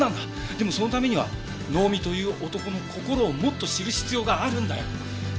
でもそのためには能見という男の心をもっと知る必要があるんだよ！